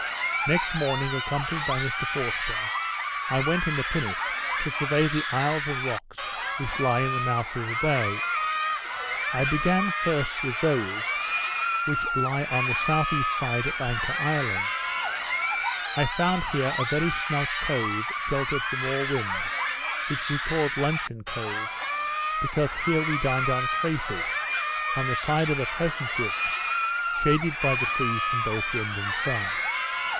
Next morning, accompanied by Mr Forster, I went in the pinnace to survey the isles and rocks which lie in the mouth of the bay. I began first with those which lie on the S.E. side of Anchor Isle. I found here a very snug cove sheltered from all winds, which we called Luncheon Cove, because here we dined on cray fish, on the side of a pleasant brook, shaded by the trees from both wind and sun.